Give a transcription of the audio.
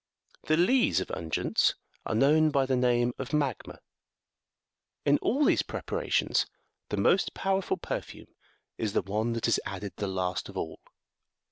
The lees82 of un guents are known by the name of "magma.83" In all these preparations the most powerful perfume is the one that is added the last of all.